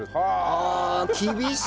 ああ厳しい！